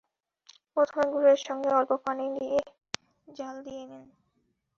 প্রথমে গুড়ের সঙ্গে অল্প পানি দিয়ে জ্বাল দিয়ে নিন।